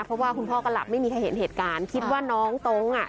เพราะว่าคุณพ่อก็หลับไม่มีใครเห็นเหตุการณ์คิดว่าน้องตรงอ่ะ